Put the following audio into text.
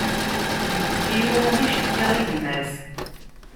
Iwwet-iyi uṛumi, cetkaɣ i gma-s.